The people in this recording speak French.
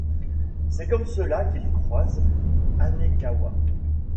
C'est comme cela qu'il croise Hanekawa.